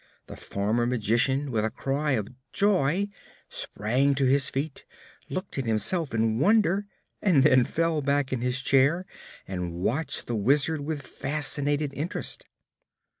The former magician, with a cry of joy, sprang to his feet, looked at himself in wonder, and then fell back in his chair and watched the Wizard with fascinated interest.